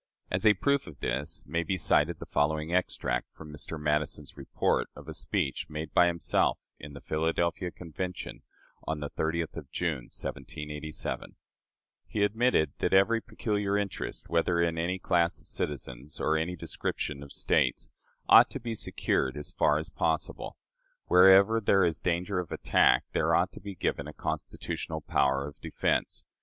As a proof of this, may be cited the following extract from Mr. Madison's report of a speech made by himself in the Philadelphia Convention on the 30th of June, 1787: "He admitted that every peculiar interest, whether in any class of citizens or any description of States, ought to be secured as far as possible. Wherever there is danger of attack, there ought to be given a constitutional power of defense.